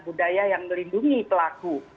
budaya yang melindungi pelaku